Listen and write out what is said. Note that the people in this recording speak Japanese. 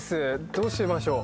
どうしましょう。